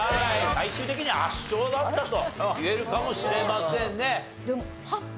最終的には圧勝だったと言えるかもしれませんね。